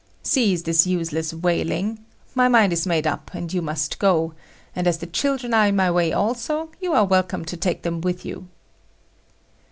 "Cease this useless wailing. My mind is made up, and you must go; and as the children are in my way also, you are welcome to take them with you."